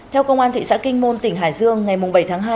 theo công an thị xã kinh môn tỉnh hải dương ngày bảy tháng hai